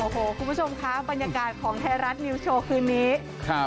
โอ้โหคุณผู้ชมคะบรรยากาศของไทยรัฐนิวสโชว์คืนนี้ครับ